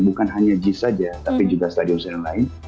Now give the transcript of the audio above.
bukan hanya jis saja tapi juga stadion stadion lain